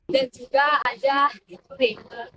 dan juga ada heat rain